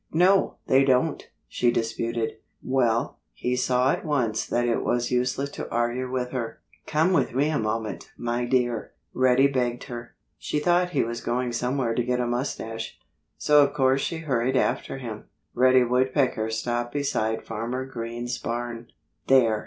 "No, they don't!" she disputed. Well, he saw at once that it was useless to argue with her. "Come with me a moment, my dear!" Reddy begged her. She thought he was going somewhere to get a mustache. So of course she hurried after him. Reddy Woodpecker stopped beside Farmer Green's barn. "There!"